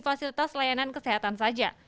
fasilitas layanan kesehatan saja